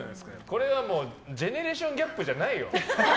これはもうジェネレーションギャップじゃないよ。